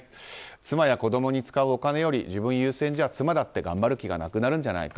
妻や子供に使うお金より自分優先じゃ妻だって頑張る気がなくなるんじゃないか。